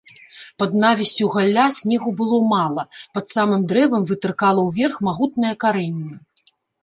Пад навіссю галля снегу было мала, пад самым дрэвам вытыркала ўверх магутнае карэнне.